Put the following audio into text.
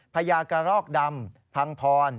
พญากระรอกดำพังพร